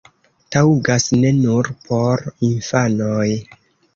Taŭgas ne nur por infanoj!